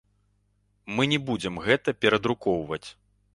Мы не будзем гэта перадрукоўваць.